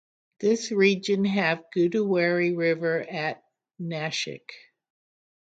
This region have Godawari river at Nashik.